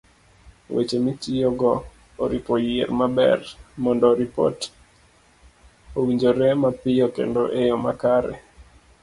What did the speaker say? Weche mitiyogo oripo yier maber, mondo ripot owinjore mapiyo kendo eyo makare.